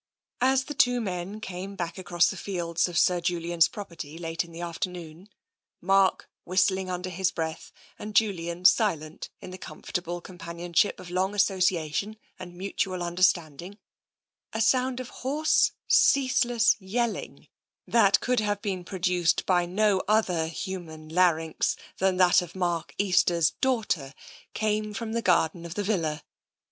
TENSION 29 As the two men came back across the fields of Sir Julian's property late in the afternoon, Mark whistling under his breath and Julian silent in the comfortable companionship of long association and mutual under standing, a sound of hoarse, ceaseless yelling that could have been produced by no other human larynx than that of Mark Easter's daughter came from the garden of the villa.